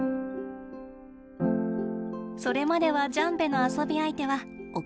それまではジャンベの遊び相手はお母さん。